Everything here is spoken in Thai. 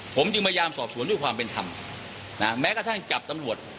ผมจึงพยายามสอบสวนด้วยความเป็นธรรมนะแม้กระทั่งจับตำรวจ